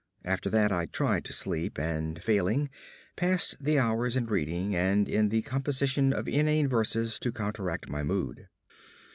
After that I tried to sleep; and failing, passed the hours in reading and in the composition of inane verses to counteract my mood.